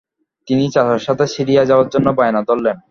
তিনি চাচার সাথে সিরিয়া যাওয়ার জন্য বায়না ধরলেন।